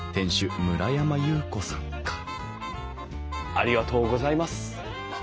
ありがとうございます。